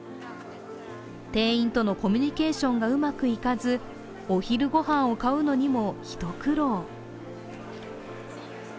店員とのコミュニケーションがうまくいかず、お昼御飯を買うのにも一苦労。